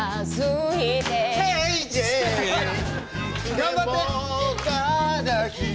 頑張って！